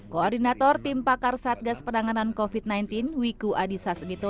koordinator tim pakar satgas penanganan covid sembilan belas wiku adhisa smito